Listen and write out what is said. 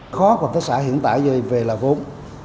khó của hợp tác xã hiện tại về là vốn